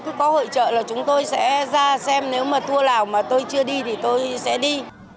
cứ có hội trợ là chúng tôi sẽ ra xem nếu mà thua nào mà tôi chưa đi thì tôi sẽ đi